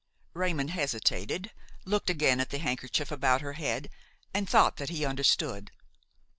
Raymon hesitated, looked again at the handkerchief about her head, and thought that he understood.